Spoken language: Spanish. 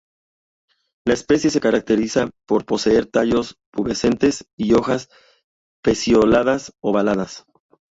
La especie se caracteriza por poseer tallos pubescentes y hojas pecioladas ovaladas.